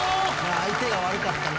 相手が悪かったな。